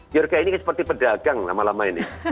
biorka ini seperti pedagang lama lama ini